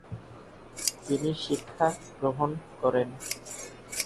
তিনি শিক্ষা গ্রহণ করেন।